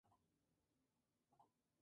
Ashley Kafka.